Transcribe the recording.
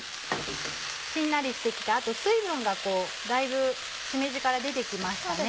しんなりして来てあと水分がだいぶしめじから出て来ました。